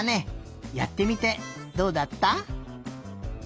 やってみてどうだった？